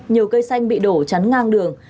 nhiều cây xanh bị đổ chắn ngang đường